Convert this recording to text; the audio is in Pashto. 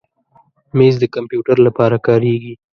مېز د کمپیوټر لپاره کارېږي.